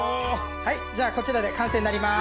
はいこちらで完成になります。